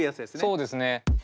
そうですね。